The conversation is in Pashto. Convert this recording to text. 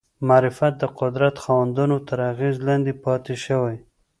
معرفت د قدرت خاوندانو تر اغېزې لاندې پاتې شوی